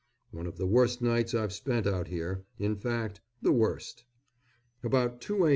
One of the worst nights I've spent out here in fact, the worst. About 2 a.